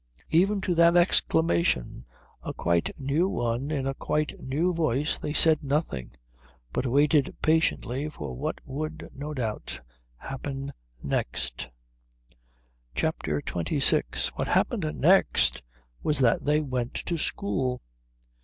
Even to that exclamation, a quite new one in a quite new voice, they said nothing, but waited patiently for what would no doubt happen next. CHAPTER XXVI What happened next was that they went to school.